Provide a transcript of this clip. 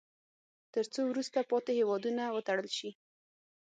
تر څو وروسته پاتې هیوادونه وتړل شي.